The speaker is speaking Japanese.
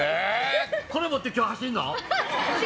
これ持って今日走るの？